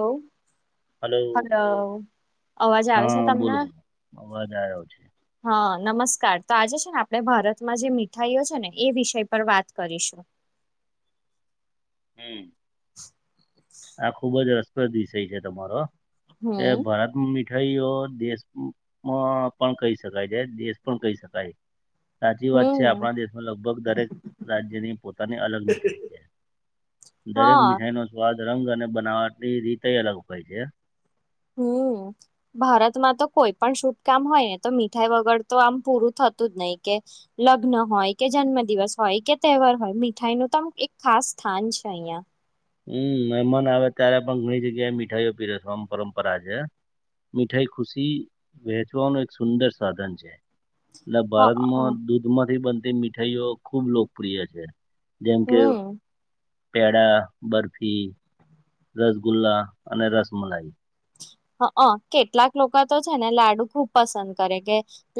અવ હલો. અવાજ આવે છે હા તમને? બોલો અવાજ આવ્યો છે. હન નમસ્ સારું, તો આજે છે ને આપડે ભારતમાં જે મીઠાઈઓ છે ને એ વિષય પર વાત કરીશું. [inaudible] હમ્મ..... આ ખુબ જ રસપ્રદ વિષય છે તમારો, એ હમ ભારતમાં મિ મિઠાઈઓ દેશ માં પણ કઈ શકાય, જ્યારે દેશ પણ કઈ શકાય. સાચી વાત છે, હમ આપડા દેશમાં લગભગ દરેક રાજ્યની પોતાની અલગ મીઠાઈ છે. દરેક હા મીઠાઈનો સ્વાદ, રંગ અને બનાવટની રીતય અલગ હોય છે. હમ, ભારતમાં તો કોઈ પણ શુભકામ હોય ને તો મીઠાઈ વગર તો આમ પૂરું થ અતુ જ નઈ કે લગ્ન હોય કે, જન્મ દિવસ હોય કે, તહેવાર હોય મીઠાઈનું તમ એક ખાસ સ્થાન છે અહીંયા હમ, મહેમાન આવે ત્યારે પણ ઘણી જગ્યાએ મીઠાઈઓ પીરસવામ પરંપરા છે. મીઠાઈ ખુશી વહેચવાનું એક સુંદર સાધન છે. ના, હ અ ભારતમાં દૂધમાંથી બનતી મીઠાઈઓ ખુબ લોકપ્રિય છે. જેમ કે, હમ પેડા, બરફી. રસગુલ્લા અને રસમલાઈ. હઅ અ, કેટલાક લોકા તો છે ને લાડુ ખુબ પસંદ કરે કે,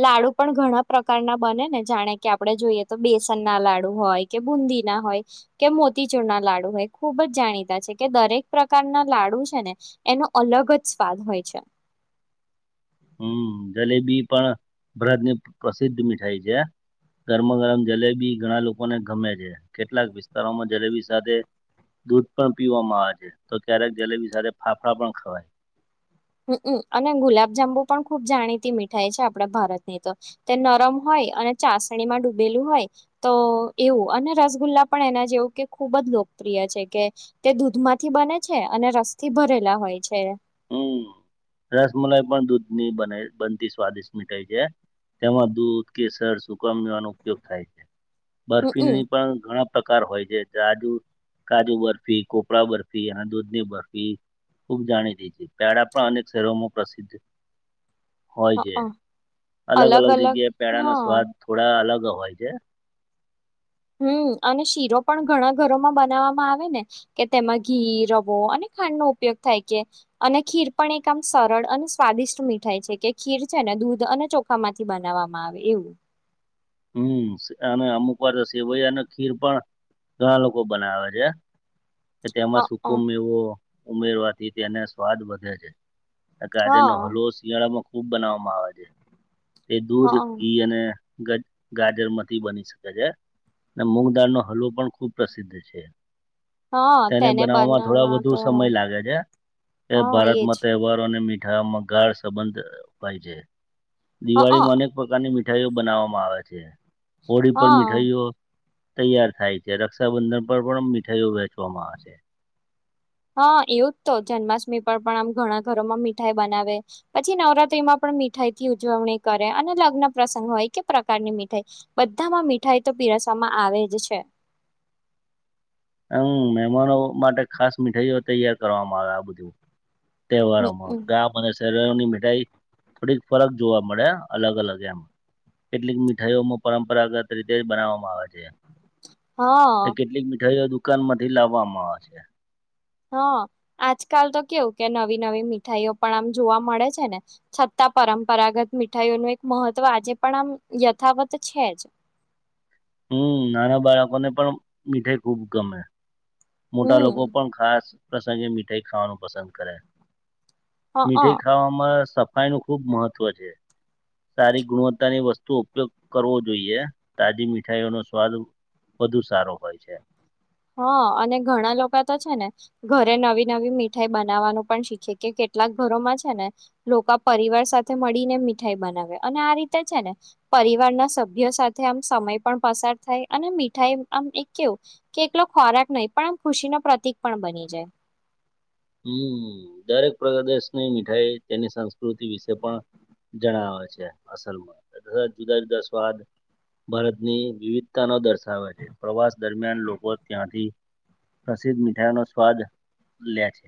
લાડુ પણ ઘણા પ્ર કારના બને ને જાણે કે આપડે જોઈએ તો બેસનના લાડુ હોય કે બુંદીના હોય કે મોતી ચૂરના લાડુ હોય ખુબ જ જાણીતા છે કે, દરેક પ્રકારના લાડુ છે ને એનો અલગ જ સ્વાદ હોય છે. હમ, જલેબી પણ ભ્રાતની પ્રસિદ્ધ મીઠાઈ છે. ગરમાં-ગરમ જલેબી ઘણા લોકોને ગમે છે. કેટલાક વિસ્તારોમાં જલેબી સાથે દૂધ પણ પીવામાં આવે છે, તો ક્યારેક જલેબી સાથે ફાફડા પણ ખવાય. હમઅ અને ગુલાબ-જાંબુ પણ ખુબ જાણીતી મીઠાઈ છે, આપડા ભારતની તો તે નરમ હોય [unintelligible] અને ચાસણીમાં ડૂબેલું હોય તો એવું અને રસગુલ્લા પણ એના જેવું કે ખુબ જ લોકપ્રિય છે કે, તે દૂધ માંથી બને છે અને રસથી ભરેલા હોય છે. હમ્મ રસમલાઈ પણ દૂધની બના બનતી સ્વાદિષ્ટ મિઠાઈ છે. તેમાં દૂધ, કેસર, સૂકામેવાનો ઉપયોગ થાય છે હમમ બર્ફીની પણ ઘણા. પ્રકાર હોય છે, તાજુ કાજુ બરફી, કોપરા બરફી અન દૂધની બરફી ખૂબ જાણીતી છે. પેડા પણ અનેક શહેરોમાં પ્રસિદ્ધ હોય હઅ છે. અલગ અલગ-અલગ અલગ જગ્યાએ પેડાનો હા સ્વાદ થોડા અલગ હોય છે. હમ્મ અને શીરો પણ ઘણા ઘરોમાં બનાવવામાં આવે ને કે તેમાં ઘી રવો અને. ખાંડનો ઉપયોગ થાય છે. અને ખીર પણ એક આમ સરળ અને સ્વાદિષ્ટ મીઠાઈ છે કે, ખીર છે ને દૂધ અને ચોખા માંથી બનાવવામાં આવે એવું. હમ અને અમુક વાર તો સેવઈ અને ખીર પણ, ઘણા લોકો બનાવે છે. કે હઅ તેમાં સુકું મેવો ઉમેરવાથી તેને સ્વાદ વધે છે. ગાજરનો હા હલવો શિયાળામાં ખૂબ બનાવવામાં આવે છે તે હઅ દૂધ ઘી અને ગજ- ગાજરમાંથી બની શકે છે અને મૂગ દાળનો હલ્વો પણ ખૂબ પ્રસિદ્ધ છે. હા તેને બનાવામાં થોડા બનાવવામાં વધુ તો સમય લાગે છે. એ હા ભારતમાં એજ તહેવારોને મી મીઠાગાળ સંબંધ હોય છે, હઅ દિવાળીમાં અનેક પ્રકારની મીઠ મીઠાઈઓ બનાવવામાં આવે છે હોળી પર હા મીઠાઈઓ તૈયાર થાય છે રક્ષાબંધન પર પણ મીઠાઈઓ વહેચવામાં આવે છે. હા એવું જ તો જન્માષ્ટમી પર પણ આમ ઘણા ઘરોમાં મીઠાઈ બનાવે, પછી નવરાત્રીમાં પણ મીઠાઈ થી ઉજવણી કરે અને લગ્ન પ્રસંગ હોય કે પ્રકારની મીઠાઈ, બધામાં મીઠાઈ તો માં આવે જ છે. હમ મહેમાનો માટે ખાસ મીઠાઈઓ તૈયાર કરવામાં આવે આ બધું તહેવારોમાં હમ ગામ બને શની મીઠાઈ થોડીક ફરક જોવા મળે અલગ અલગ એમ કેટલીક મીઠાઈઓમાં પરંપરાગત રીતે જ બનાવવામાં આવે છે. હા કેટલીક મીઠાઈઓ દુકાનમાંથી લાવવામાં આવે છે. હા, આજકાલ તો કેવું કે નવી નવી મીઠાઈઓ પણ આમ જોવા મળે છે ને છતાં પરંપરાગત મીઠાઈઓ ન એક મહત્વ આજે પણ આમ યથાવત છે જ હમ નાના બાળકોને પણ મીઠાઈ ખુબ ગમે મોટા લોકો હમ પણ ખાસ પ્રસંગે મીઠાઈ ખાવાનું પસંદ કરે હ અ મીઠાઈ ખાવામાં સફાઈ ન ખુબ મહત્વ છે. સારી ગુણવત્તા ની વસ્તુ ઉપયોગ કરવો જોઈએ. તાજી મીઠી મીઠાઈઓ નો સ્વાદ વધુ સારો હોય છે. હા, અને ઘણા લોકો તો છે ને ઘરે નવી નવી મીઠાઈ બનાવવાનું પણ શીખે કે કેટલાક ઘરોમાં છે ને લોકો પરિવાર સાથે મળીને મીઠાઈ બનાવે અને આ રીતે છે ને પરિવાર ના સભ્યો સાથે આમ સમય પણ પસાર થાય અને મીઠાઈ આમ એક કેવું કે એકલો ખોરાક નહી પણ આમ ખુશી નો પ્રતિક પણ બની જાય. હમ દરેક પ્રગદશની મીઠાઈ તેની સંસ્કૃતિ વિશે પણ જણાવે છે. અસલમાં તથા જુદા જુદા સ્વાદ ભારતની વિવિધતા ન દર્શાવે છે. પ્રવાસ દરમિયાન લોકો ત્યાંથી પ્રસિદ્ધ મીઠાઈ નો સ્વાદ લે છે.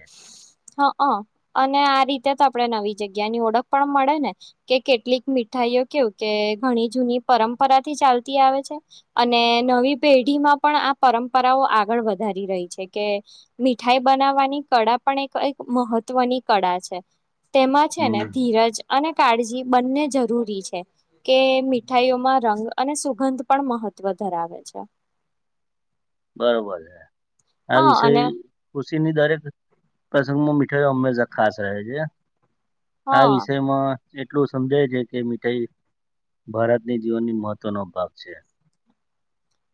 હ હા, હ અને આ રીતે તો આપણે નવી જગ્યાની ઓળખ પણ મળે ને કે કેટલીક મીઠા ભાઈઓ કેવું કે ઘણી જૂની પરંપરા થી ચાલતી આવે છે અને નવી પેઢીમાં પણ આ પરંપરાઓ આગળ વધારી રહી છે, કે મીઠાઈ બનાવવાની કળા પણ એક મહત્વની કળા છે, તેમાં છે ને હમ ધીરજ અને કાળજી બંને જરૂરી છે કે મીઠાઈઓમાં રંગ અને સુગંધ પણ મહત્વ ધરાવે છે. બરોબર છે, આ હા અને વિષય ની દરેક પ્રસંગમાં મીઠાઈ હંમેશા ખાસ રહે છે. આ હા વિષયમાં એટલું સમજાય છે કે મીઠાઈ ભારતની જીવનની મહત્વનો ભાગ છે.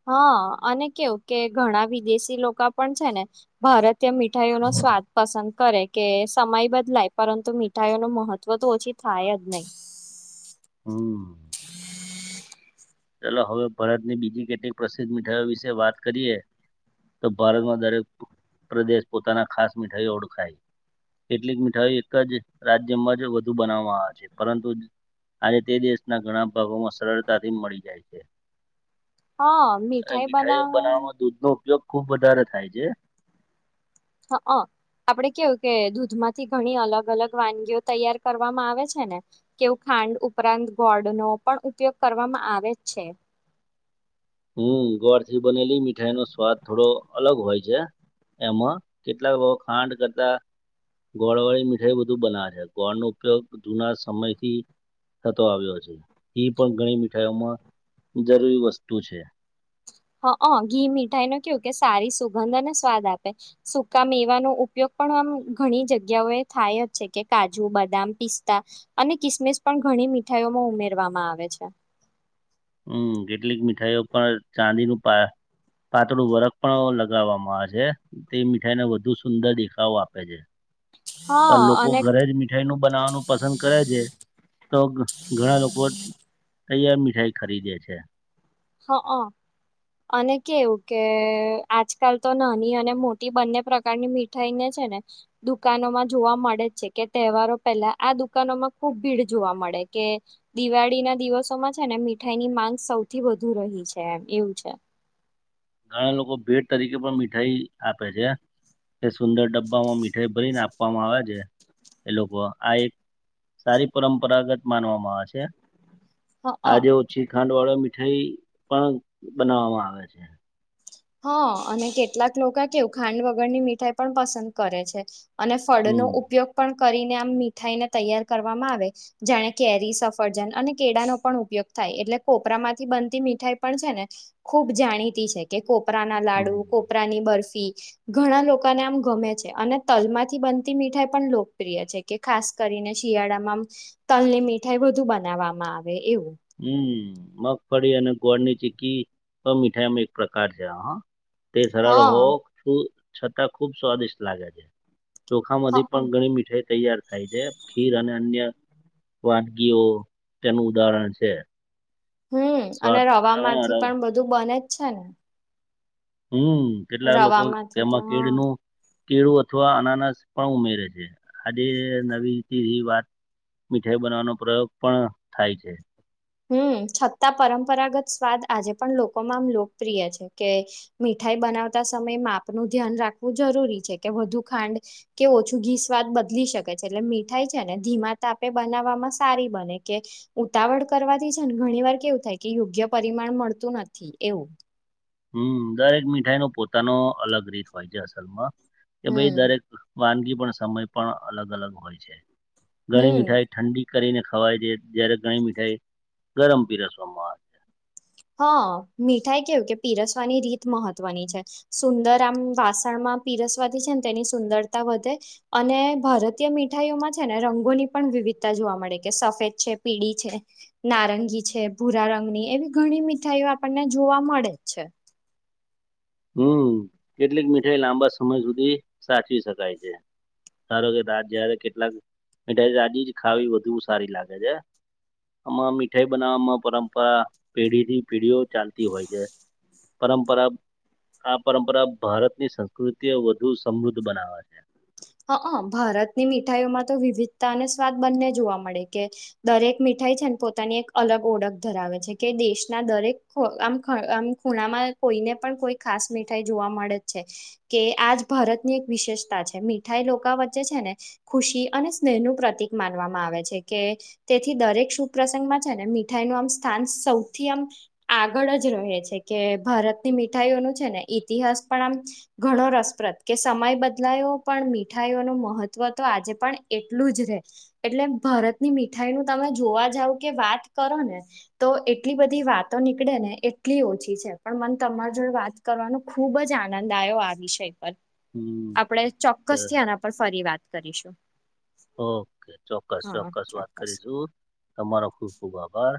હા અને કેવું કે ઘણા વિદેશી લોકો પણ છે ને ભારતીય મીઠાઈઓ ન સ્વાદ પસંદ કરે કે સમય બદલાય પરંતુ મીઠાઈઓ ન મહત્વ તો ઓછી થાય જ નહી હ હમ. ચાલલો હવે ભારતની બીજી કેટલીક પ્રસિદ્ધ મીઠાઈઓ વિશે વાત કરીએ. તો ભારતમાં દરેક પ્રદેશ પોતાના ખાસ મીઠાઈઓ ઓળખાય કેટલીક મીઠાઈ એક જ રાજ્યમાં જ વધુ બનાવવામાં આવે છે, પરંતુ આજે તે દેશના ઘણા ભાગોમાં સરળતાથી મળી જાય છે. હા મીઠાઈ મીઠાઈઓ બનાવવામાં બનાવવા દૂધ નો ઉપયોગ ખુબ વધારે થાય છે હા હ આપડે કેવું કે દૂધમાંથી ઘણી અલગ અલગ વાનગીઓ તૈયાર કરવામાં આવે છે ને કેવું ખાંડ ઉપરાંત ગોડ નો પણ ઉપયોગ કરવામાં આવે છે હમ ગોળથી બનેલી મીઠાઈ નો સ્વાદ થોડો અલગ હોય છે એમાં કેટલાક લોકો ખાંડ કરતા ગોળવાળી મીઠાઈ બધુ બનાવે છે ગોળનો ઉપયોગ જૂના સમયથી થતો આવ્યો છે એ પણ ઘણી મીઠાઈઓમાં જરૂરી વસ્તુ છે હા ઘી મીઠાઈ ન કેવું કે સારી સુગંધ અનેને સ્વાદ આપે સુકા મેવાનો ઉપયોગ પણ આમ ઘણી જગ્યાઓ એ થાય જ છે કે કાજુ બદામ પિસ્તા અને કિસમિસ પણ ઘણી મીઠાઈઓમાં ઉમેરવામાં આવે છે. હમ કેટલીક મીઠાઈઓ પણ ચાંદીનું પાતળું વરખ પણ લગાવવામાં આવે છે તે મીઠાઈને વધુ સુંદર દેખાવો આપે છે. પણ હા લોકો અને ઘરે જ મીઠાઈ નું બનાવવાનું પસંદ કરે છે. તો ઘણા લોકો તૈયાર મીઠાઈ ખરીદે છે. હા. અને કેવું કે આજકાલ તો નાની અને મોટી બંને પ્રકારની મીઠાઈ ને જ. ને દુકાનોમાં જોવા મળે જ છે કે તહેવારો પહેલા આ દુકાનોમાં ખુબ ભીડ જોવા મળે. કે દિવાળી ના દિવસોમાં છે ને મીઠાઈ ની માંગ સૌથી વધુ. વધુ રહી છે એમ એવું છે. ઘણા લોકો ભેટ તરીકે પણ મીઠાઈ આપે છે. એ સુંદર ડબ્બામાં મીઠાઈ ભરીને આપવામાં આવે છે. એ લોકો આ એક સારી પરંપરાગત માનવામાં આવે છે. હ આજે ઓછી ખાંડ વાળા મીઠાઈ પણ બનાવવામાં આવે છે. હા અને કેટલાક લોકો કેવું ખાંડ વગરની મીઠાઈ પણ પસંદ કરે છે. અને ફળનો હમ ઉપયોગ પણ. કરીને આમ મીઠાઈને તૈયાર કરવામાં આવે જાણે કેરી સફરજન અને કેળા નો પણ ઉપયોગ થાય થ એટલે કોપરામાંથી બનતી મીઠાઈ પણ છે ને ખુબ જાણીતી છે કે કોપરા ના હમ લાડુ, કોપરાની બરફી ઘણા લોકોને આમ ગમે છે અને તલમાંથી બનતી મીઠાઈ પણ લોકપ્રિય છે કે ખાસ કરીને શિયાળામાં તલ ની મીઠાઈ વધુ બનાવવામાં આવે એવું હમ મગફળી અને ગોળની ચીકી તો મીઠાઈમાં એક પ્રકાર છે હ તે સરળ હો હા શું છતાં ખુબ સ્વાદિષ્ટ લાગે છે. હ, ચોખામાંથી પણ ઘણી મીઠાઇ તૈયાર થાય છે ખીર અને અન્ય વાનગીઓ તેનું ઉદાહરણ છે. છે હમ અને રવામાંથી અ પણ બધું બને જ છે ને. હમ કેટલા લોકો રવામાંથી તો એમાં હા કેડનું. કેળું અથવા અનાનસ પણ ઉમેરે છે આજે નવી વાત. મીઠાઈ બનાવવાનો પ્રયોગ પણ થાય છે. હમ છતાં પરંપરાગત સ્વાદ આજે પણ લોકોમાં આમ લોકપ્રિય છે કે મીઠાઈ. બનાવતા સમયે માપનું ધ્યાન રાખવું જરૂરી છે કે વધુ ખાંડ કે ઓછું ઘી સ્વાદ. બદલી શકે છે એટલે મીઠાઈ છે ને ધીમા તાપે બનાવવામાં સારી બને કે ઉતાવળ. કરવાથી છે ને ઘણી વાર કેવું થાય કે યોગ્ય પરિમાણ મળતું નથી એવું. હમ દરેક મીઠાઈ નો પોતાનો અલગ રીત હોય છે અસલમાં કે ભાઈ હમ દરેક. વાનગી પણ સમય પણ અલગ અલગ હોય છે ઘણી હમ મીઠાઈ ઠંડી. કરીને ખવાય છે જ્યારે ઘણી મીઠાઈ ગરમ પીરસવામાં આવે છે. હા મીઠાઈ કેવું કે પીરસવાની રીત મહત્વની છે સુંદર આમ વાસણમાં. દસ વાજે છે ને તેની સુંદરતા વધે અને ભારતીય મીઠાઈઓમાં છે ને રંગોની પણ વિવિ તા જોવા મળે કે સફેદ છે પીળી છે નારંગી છે ભૂરા રંગની એમ ઘણી મીઠાઈઓ આપણને જોવા મળે છે હમ કેટલીક મીઠાઈ લાંબા સમય સુધી સાચવી શકાય છે સારો કે રાત જ્યારે કેટલાક મીઠાઈ તાજી જ ખાવી વધુ સારી લાગે છે આમાં મીઠાઈ બનાવવામાં પરંપરા પેઢી થી પેઢીઓ ચાલતી હોય છે પરંપરા આ પરંપરા ભારતની સંસ્કૃતિએ વધુ સમૃદ્ધ બનાવે છે હા હ ભારતની મીઠાઈઓમાં તો વિવિધતા અને સ્વાદ બંને જોવા મળે કે દરેક મીઠ ઠાઈ થાય છે અને પોતાની એક અલગ ઓળખ ધરાવે છે કે દેશના દરેક આમ આમ ખૂણામાં કોઈને પણ કોઈ ખાસ મીઠાઈ જોવા મળે જ છે કે આજ ભારત ની એક વિશેષતા છે મી ઠાઈ રોકા વચ્ચે છે ને ખુશી અને સ્નેહનું પ્રતિક માનવામાં આવે છે કે તેથી દરે શુપ્રસંગ છે ને મીઠાઈ ન આમ સ્થાન સૌથી આમ આગળ જ રહે છે કે ભા રતની મીઠાઈઓ ન છે ને ઈતિહાસ પણ આમ ઘણો રસપ્રદ કે સમય બદલાયો પણ મીઠાઈઓ ને મહત્વ તો આજે પણ એટલું જ રે એટલે ભારતની મીઠાઈ નું તમે જોવા જાવ કે વાત કરો ને તો એટલી બધી વાતો નીકળે ને એટલી ઓછી છે પણ મને તમારા જોડે વાત કરવાનો ખુબ જ આનંદ આવ્યો આ વિષય પર હમ તો ચોક્કસ થી આના પર ફરી વાત કરીશું ઓકે ચોક્કસ ચોક્કસ વાત કરીશું તમારો ખુબ ખુબ આભા હા